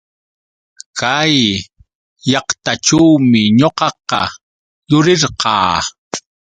Kay llaqtaćhuumi ñuqaqa yurirqaa.